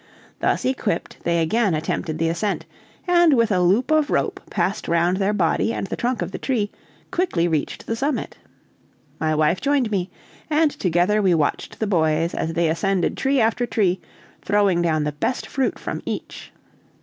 Thus equipped they again attempted the ascent, and with a loop of rope passed round their body and the trunk of the tree, quickly reached the summit. My wife joined me, and together we watched the boys as they ascended tree after tree, throwing down the best fruit from each.